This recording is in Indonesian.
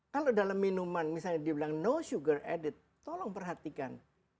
kalau dalam minuman misalnya dibilang no sugar added tolong perhatikan